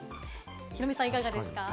ヒロミさん、いかがですか？